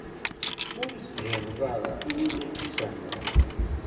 Ma ur t-tefhimeḍ ara ini-d ad ak-d-sfehmeɣ.